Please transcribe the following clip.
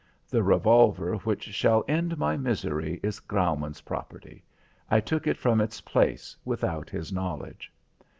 The revolver which shall end my misery is Graumann's property. I took it from its place without his knowledge.